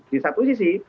di satu sisi